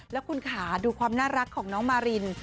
แล้วคุณขาดูความน่ารักของน้องมาริน